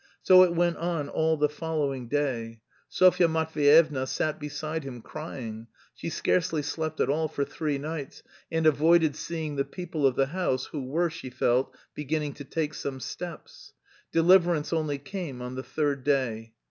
So it went on all the following day. Sofya Matveyevna sat beside him, crying. She scarcely slept at all for three nights, and avoided seeing the people of the house, who were, she felt, beginning to take some steps. Deliverance only came on the third day.